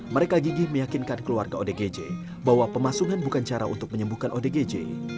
mereka gigih meyakinkan keluarga odgj bahwa pemasungan bukan cara untuk menyembuhkan odgj